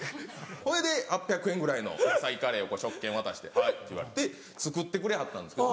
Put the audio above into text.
ほいで８００円ぐらいの野菜カレー食券渡して「はい」って言われて作ってくれはったんですけど。